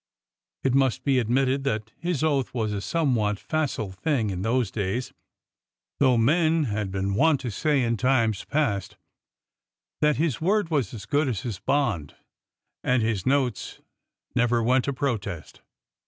It must be admitted that his oath was a somewhat facile thing in those days, though men had been wont to say in times past that his word was as good as his bond, and his notes never went to protest.